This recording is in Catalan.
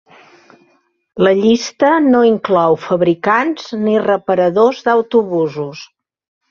La llista no inclou fabricants ni reparadors d'autobusos.